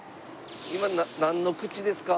今なんの口ですか？